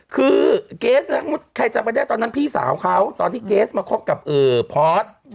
คือเกรสนะใครจำไปได้ตอนนั้นพี่สาวเขาตอนที่เกสมาคบกับพอร์ต